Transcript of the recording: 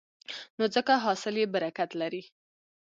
نو ځکه حاصل یې برکت لري.